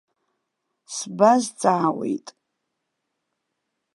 Сбазҵаауеит!